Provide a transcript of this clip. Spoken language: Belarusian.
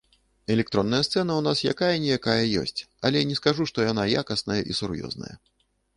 Электронная сцэна ў нас, якая-ніякая, ёсць, але не скажу, што яна якасная і сур'ёзная.